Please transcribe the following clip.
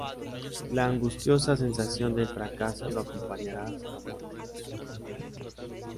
La angustiosa sensación del fracaso, lo acompañará hasta la muerte.